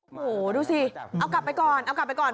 โอ้โหดูสิเอากลับไปก่อนเอากลับไปก่อน